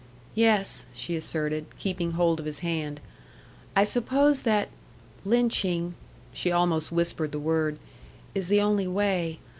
"Yes," she asserted, keeping hold of his hand. "I suppose that lynching " (she almost whispered the word) "is the only way.